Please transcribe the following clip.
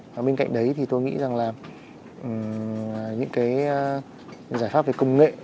và bên cạnh đấy thì tôi nghĩ rằng là những cái giải pháp về công nghệ